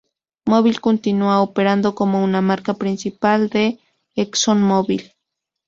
Mobil continua operando como una marca principal de ExxonMobil.